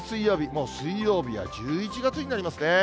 もう水曜日は１１月になりますね。